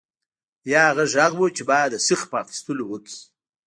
یا هغه غږ و چې ما د سیخ په اخیستلو وکړ